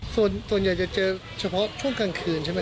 ส่วนใหญ่จะเจอเฉพาะช่วงกลางคืนใช่ไหม